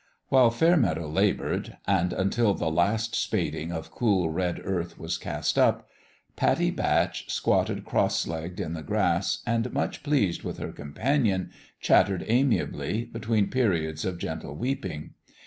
While Fairmeadow laboured and until the last spading of cool red earth was cast up Pat tie Batch, squatting cross legged in the grass, and much pleased with her companion, chattered amiably, between periods of gentle weeping.